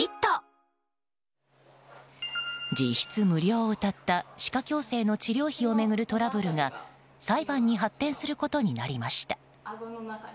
実質無料をうたった歯科矯正の治療費を巡るトラブルが裁判に発展することになりました。